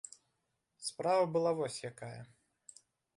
Справа была вось якая.